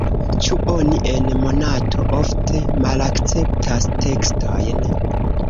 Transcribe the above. Ĉu oni en Monato ofte malakceptas tekstojn?